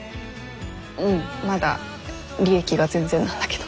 うんまだ利益が全然なんだけど。